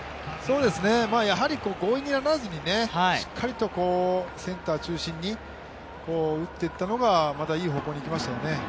やはり強引にならずに、しっかりとセンター中心に打っていったのが、またいい方向に行きましたよね。